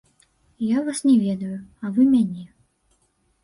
Я вас не ведаю, а вы мяне.